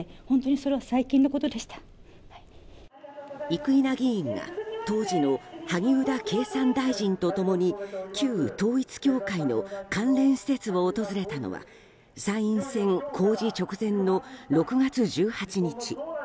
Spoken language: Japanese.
生稲議員が当時の萩生田経産大臣と共に旧統一教会の関連施設を訪れたのは参院選公示直前の６月１８日。